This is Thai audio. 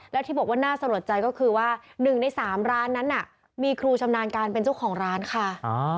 แล้วที่บอกว่าน่าสะลดใจก็คือว่า๑ใน๓ร้านนั้นมีครูชำนาญการเป็นเจ้าของร้านค่ะ